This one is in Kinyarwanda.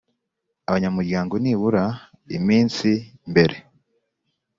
Abanyamuryango nibura iminsi mbere